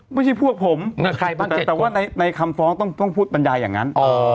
พวกผมแต่ว่าในคำฟ้องต้องพูดบรรยายอย่างนั้น